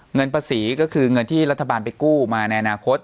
เงินภาษีก็คือเงินที่รัฐบาลไปกู้มาในอนาคต